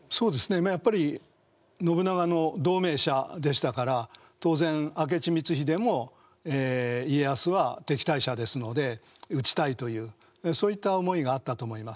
まあやっぱり信長の同盟者でしたから当然明智光秀も家康は敵対者ですので討ちたいというそういった思いがあったと思います。